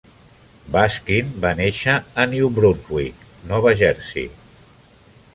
Baskin va néixer a New Brunswick, Nova Jersey.